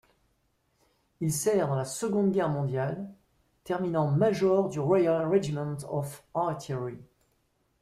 Il sert dans la Seconde Guerre mondiale, terminant major du Royal Regiment of Artillery.